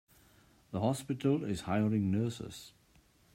The hospital is hiring nurses.